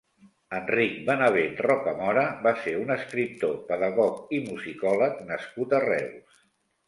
Enric Benavent Rocamora va ser un escriptor, pedagog i musicòleg nascut a Reus.